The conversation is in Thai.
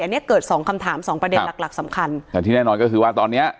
อันนี้เกิดสองคำถามสองประเด็นหลักหลักสำคัญแต่ที่แน่นอนก็คือว่าตอนเนี้ย